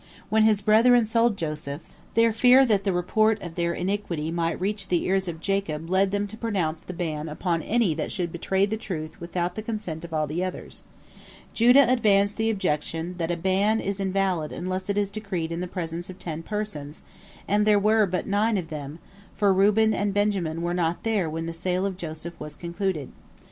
When his brethren sold Joseph, their fear that the report of their iniquity might reach the ears of Jacob led them to pronounce the ban upon any that should betray the truth without the consent of all the others. Judah advanced the objection that a ban is invalid unless it is decreed in the presence of ten persons, and there were but nine of them, for Reuben and Benjamin were not there when the sale of Joseph was concluded.